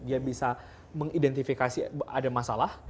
dia bisa mengidentifikasi ada masalah